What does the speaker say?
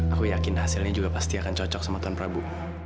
aku yakin hasilnya juga pasti akan cocok sama tuan prabu